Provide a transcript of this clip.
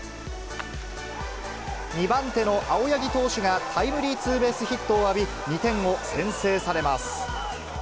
２番手の青柳投手がタイムリーツーベースヒットを浴び、２点を先制されます。